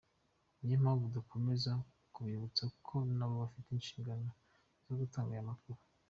Ni yo mpamvu dukomeza kubibutsa ko nabo bafite inshingano zo gutanga ayo makuru.